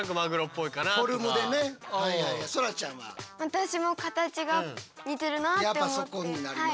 私も形が似てるなって思って。